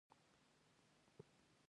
د عبدالله وار چې تېر شو.